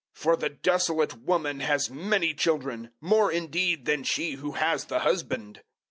For the desolate woman has many children more indeed than she who has the husband."